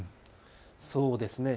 そうですね。